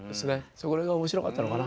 そこら辺が面白かったのかな。